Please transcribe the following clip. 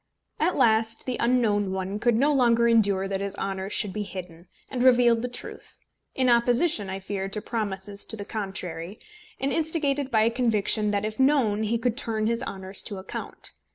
At last the unknown one could no longer endure that his honours should be hidden, and revealed the truth, in opposition, I fear, to promises to the contrary, and instigated by a conviction that if known he could turn his honours to account.